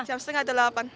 jam setengah delapan